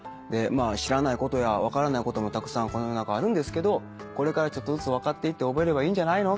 知らないことや分からないこともたくさん世の中あるんですけどこれからちょっとずつ分かっていって覚えればいいんじゃないの？